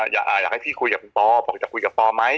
อยากให้พี่คุยกับพ่อไหม